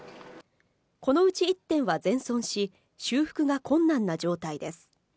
このうち１点は全損し、修復が困難な状態です。